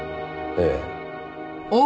ええ。